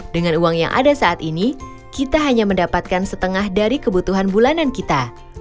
dengan uang yang ada saat ini kita hanya mendapatkan setengah dari kebutuhan bulanan kita